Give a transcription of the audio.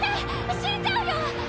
死んじゃうよ！